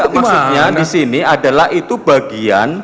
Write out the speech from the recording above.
maksudnya di sini adalah itu bagian